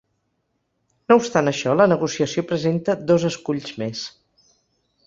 No obstant això, la negociació presenta dos esculls més.